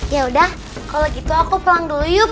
yaudah kalau gitu aku pulang dulu yuk